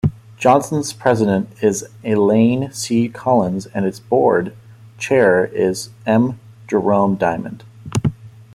Johnson's president is Elaine C. Collins and its board chair is M. Jerome Diamond.